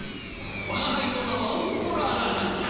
わがはいの名はオーボラーラ男爵。